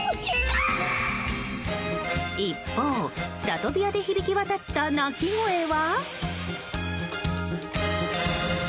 一方、ラトビアで響き渡った鳴き声は？